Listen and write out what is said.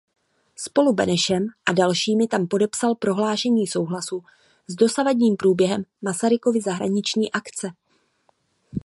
Spolu Benešem a dalšími tam podepsal prohlášení souhlasu s dosavadním průběhem Masarykovy zahraniční akce.